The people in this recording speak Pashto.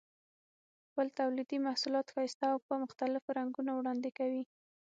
خپل تولیدي محصولات ښایسته او په مختلفو رنګونو وړاندې کوي.